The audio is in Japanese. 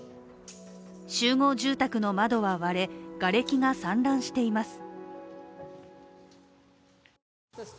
集合住宅の窓は割れ、がれきが散乱しています。